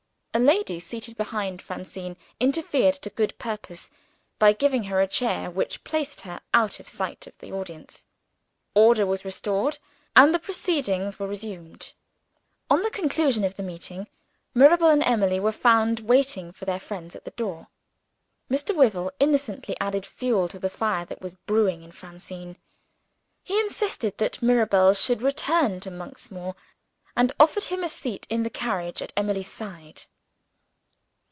A lady seated behind Francine interfered to good purpose by giving her a chair, which placed her out of sight of the audience. Order was restored and the proceedings were resumed. On the conclusion of the meeting, Mirabel and Emily were found waiting for their friends at the door. Mr. Wyvil innocently added fuel to the fire that was burning in Francine. He insisted that Mirabel should return to Monksmoor, and offered him a seat in the carriage at Emily's side.